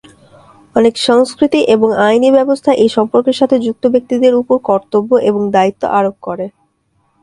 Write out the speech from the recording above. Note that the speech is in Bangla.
অনেক সংস্কৃতি এবং আইনি ব্যবস্থা এই সম্পর্কের সাথে যুক্ত ব্যক্তিদের উপর কর্তব্য এবং দায়িত্ব আরোপ করে।